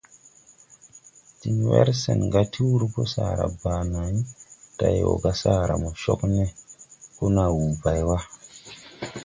Din wer sen ga ti wurpɔ sara baa nay, day wɔ ga sara mo cog ne, ko na wuu bay wa.